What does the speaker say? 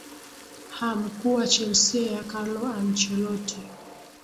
ha mkuu wa chelsea karlo ancheloti